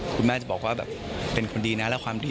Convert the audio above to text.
คุณแม่จะบอกว่าแบบเป็นคนดีนะแล้วความดี